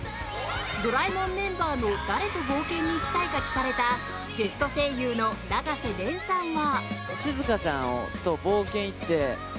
ドラえもんメンバーの誰と冒険に行きたいか聞かれたゲスト声優の永瀬廉さんは。